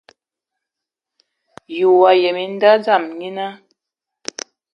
Yi wa yen nda dzama nyina?